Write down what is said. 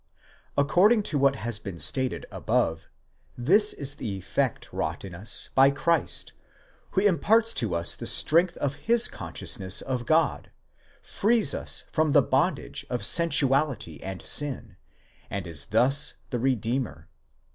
According to what has been stated above, this is the effect wrought in us by Christ, who imparts to us the strength of his consciousness of God, frees us from the bondage of sensuality and sin, and is thus the Redeemer.